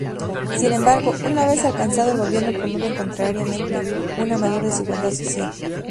Sin embargo, una vez alcanzado el gobierno promueven contrariamente una mayor desigualdad social.